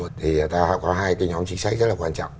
thì ta có hai cái nhóm chính sách rất là quan trọng